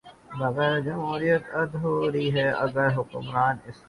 بغیر جمہوریت ادھوری ہے اگر حکمران اس کا